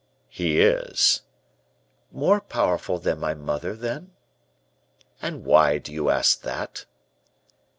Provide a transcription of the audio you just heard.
"He is." "More powerful than my mother, then?" "And why do you ask that?"